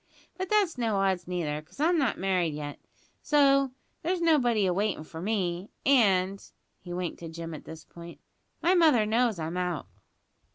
But that's no odds, neither 'cause I'm not married yet, so there's nobody awaitin' for me and" (he winked to Jim at this point) "my mother knows I'm out."